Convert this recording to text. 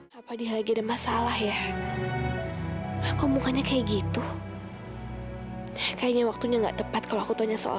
sampai jumpa di video selanjutnya